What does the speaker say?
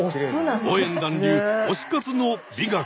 応援団流推し活の美学です。